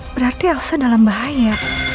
berarti elsa dalam bahaya